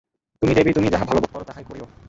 তুমি দেবী, তুমি যাহা ভালো বোধ কর, তাহাই করিয়ো।